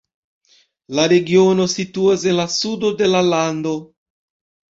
La regiono situas en la sudo de la lando.